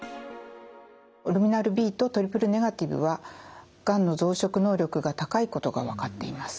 ルミナルＢとトリプルネガティブはがんの増殖能力が高いことが分かっています。